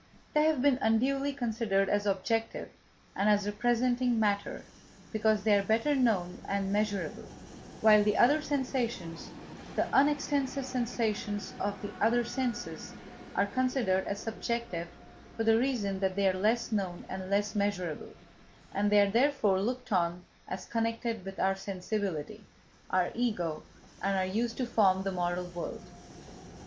They have been unduly considered as objective and as representing matter because they are better known and measurable, while the other sensations, the unextensive sensations of the other senses, are considered as subjective for the reasons that they are less known and less measurable: and they are therefore looked on as connected with our sensibility, our Ego, and are used to form the moral world.